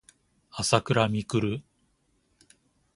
あさくらみくる